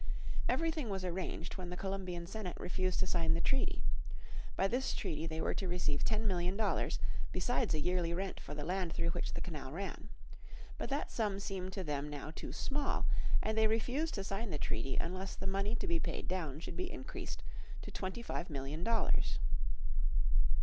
Everything was arranged when the Colombian Senate refused to sign the treaty. By this treaty they were to receive ten million dollars, besides a yearly rent for the land through which the canal ran. But that sum seemed to them now too small, and they refused to sign the treaty unless the money to be paid down should be increased to twenty five million dollars.